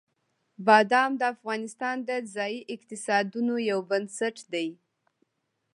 بادام د افغانستان د ځایي اقتصادونو یو بنسټ دی.